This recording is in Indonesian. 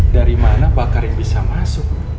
dari mana pak karim bisa masuk